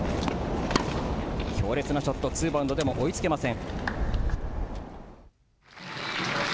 強烈なショット、ツーバウンドでも追いつけません。